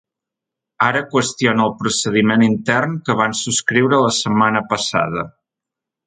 Ara qüestiona el procediment intern que van subscriure la setmana passada.